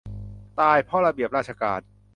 ตายเพราะระเบียบราชการ